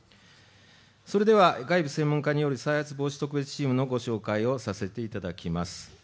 それでは外部専門家による再発防止特別チームのご紹介をさせていただきます。